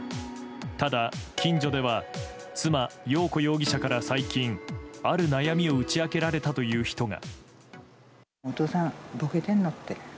ただ、近所では妻・よう子容疑者から最近、ある悩みを打ち明けられたという人が。